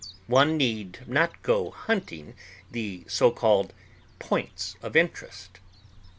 One need not go hunting the so called "points of interest."